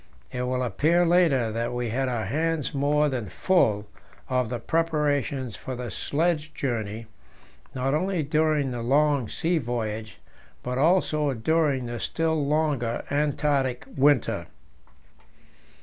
It will appear later that we had our hands more than full of the preparations for the sledge journey, not only during the long sea voyage, but also during the still longer Antarctic winter.